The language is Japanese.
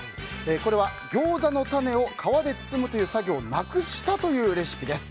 これはギョーザのタネを皮で包むという作業をなくしたというレシピです。